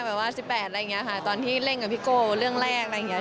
แบบว่า๑๘อะไรอย่างนี้ค่ะตอนที่เล่นกับพี่โก้เรื่องแรกอะไรอย่างนี้